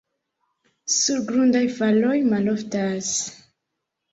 Surgrundaj faloj maloftas.